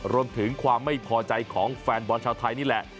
รวมถึงความไม่พอใจของแฟนบอลชาวไทยนี่แหละ